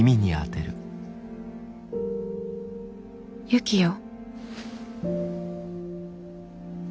ユキよ。